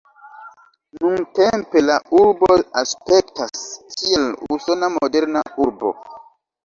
Nuntempe la urbo aspektas, kiel usona moderna urbo.